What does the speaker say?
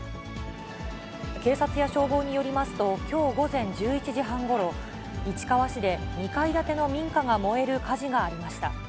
警察や消防によりますと、きょう午前１１時半ごろ、市川市で２階建ての民家が燃える火事がありました。